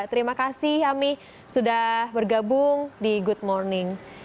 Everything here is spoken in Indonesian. terima kasih ami sudah bergabung di good morning